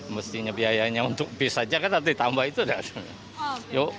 mestinya biayanya untuk bus saja kan harus ditambah itu